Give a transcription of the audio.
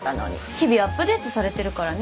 日々アップデートされてるからね。